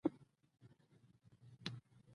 شريف ماما راضي ښکارېده او ویل یې فرصت له لاسه ورنکړو